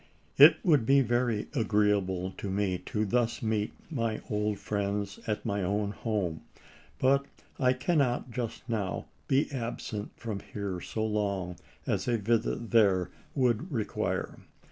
It would be very agreeable to me to thus meet my old friends at my own home, but I cannot just now be absent from here so long as a visit there would require.